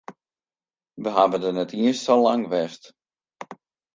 We hawwe dêr net iens sa lang west.